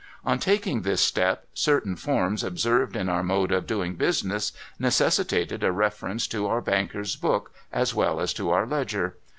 On taking this step, certain forms observed in our mode of doing business necessitated a reference to our bankers' book, as well as to our ledger.